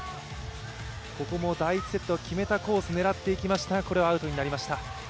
ここも第１セットを決めたコースを狙っていきましたがこれはアウトになりました。